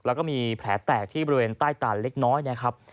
แล้วก็มีแผลแตกที่บริเวณใต้ตาลเล็กน้อยนะครับ